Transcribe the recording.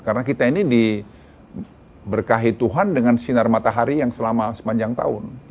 karena kita ini di berkahi tuhan dengan sinar matahari yang selama sepanjang tahun